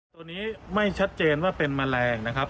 ตัวนี้ไม่ชัดเจนว่าเป็นแมลงนะครับ